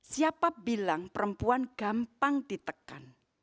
siapa bilang perempuan gampang ditekan